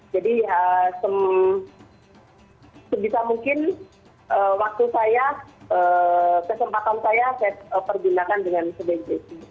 jadi sebisa mungkin waktu saya kesempatan saya saya pergunakan dengan pbj